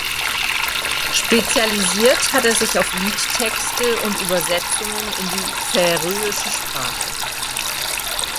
Spezialisiert hat er sich auf Liedtexte und Übersetzungen in die färöische Sprache.